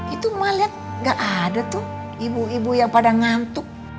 itu mama lihat gak ada tuh ibu ibu yang pada ngantuk